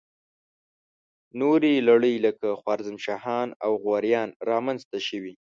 نورې لړۍ لکه خوارزم شاهان او غوریان را منځته شوې.